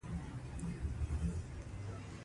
د نړۍ ډېری ملتونو ګټه پورته نه کړه.